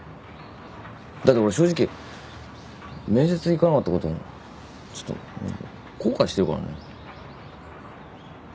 だって俺正直面接行かなかったことちょっと後悔してるからね。